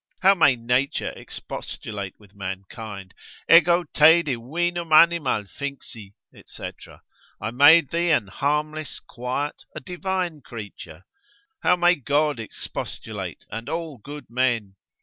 how may Nature expostulate with mankind, Ego te divinum animal finxi, &c.? I made thee an harmless, quiet, a divine creature: how may God expostulate, and all good men?